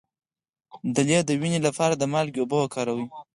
د لۍ د وینې لپاره د مالګې اوبه وکاروئ